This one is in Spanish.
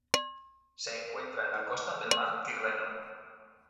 Se encuentra en la costa del mar Tirreno.